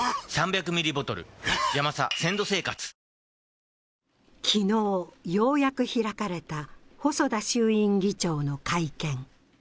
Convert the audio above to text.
自民党の議員からも昨日、ようやく開かれた細田衆院議長の会見。